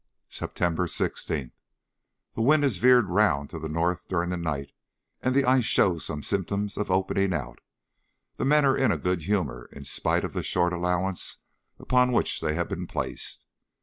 September 16th. The wind has veered round to the north during the night, and the ice shows some symptoms of opening out. The men are in a good humour in spite of the short allowance upon which they have been placed.